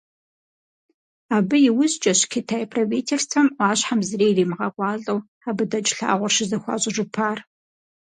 Абы иужькӀэщ Китай правительствэм Ӏуащхьэм зыри ирамыгъэкӀуалӀэу, абы дэкӀ лъагъуэр щызэхуащӀыжыпар.